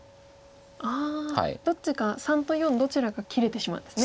ああどっちか③と④どちらか切れてしまうんですね。